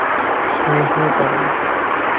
হো হো করে।